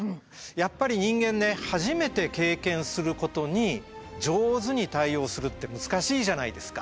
やっぱり人間ね初めて経験することに上手に対応するって難しいじゃないですか。